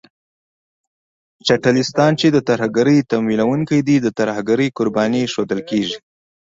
پاکستان چې د ترهګرۍ تمويلوونکی دی، د ترهګرۍ قرباني ښودل کېږي